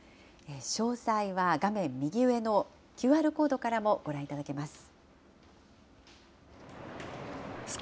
詳細は画面右上のＱＲコードからもご覧いただけます。